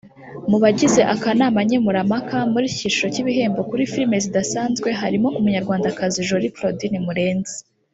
Mu bagize akanama nkemurampaka muri iki cyiciro cy’ibihembo kuri filime zidasanzwe harimo Umunyarwandakazi Jolie Claudine Murenzi